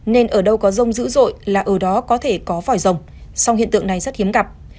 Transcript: nên ở đâu có rông dữ dội là ở đó có thể có vòi rồng song hiện tượng này rất hiếm gặp